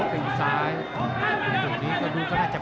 เผ่าฝั่งโขงหมดยก๒